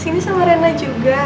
sini sama rena juga